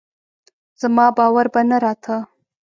زما باور به نه راته